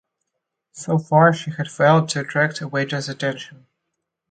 So far she had failed to attract a waiter's attention.